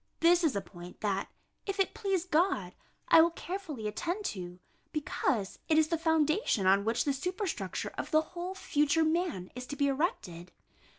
This is a point that, if it please God, I will carefully attend to, because it is the foundation on which the superstructure of the whole future man is to be erected.